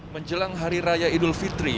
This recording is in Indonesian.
menjelang hari raya idul fitri